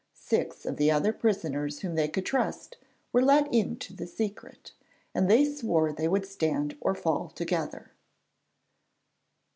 Six of the other prisoners whom they could trust were let into the secret, and they swore they would stand or fall together.